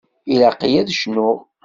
Ilaq-iyi ad cnuɣ.